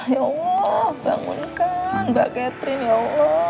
ya allah bangunkan mbak catherine ya allah